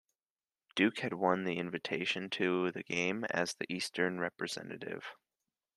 Duke had won the invitation to the game as the eastern representative.